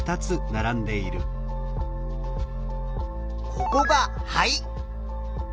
ここが肺。